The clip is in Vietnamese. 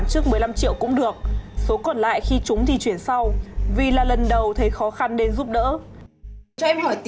tức là anh lại chuyển khoản lại để trả lại em đấy hả